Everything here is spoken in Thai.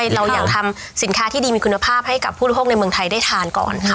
เราอยากทำสินค้าที่ดีมีคุณภาพให้กับผู้บริโภคในเมืองไทยได้ทานก่อนค่ะ